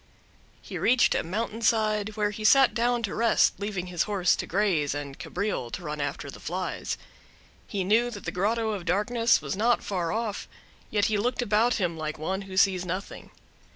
He reached a mountain side, where he sat down to rest, leaving his horse to graze, and Cabriole to run after the flies. He knew that the Grotto of Darkness was not far off, yet he looked about him like one who sees nothing.